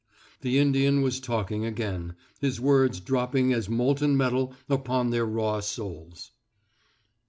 The Indian was talking again, his words dropping as molten metal upon their raw souls.